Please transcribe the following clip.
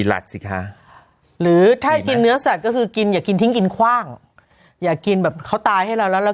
อยากให้น้องเข้าใจด้วยก็เข้าใจแหละว่า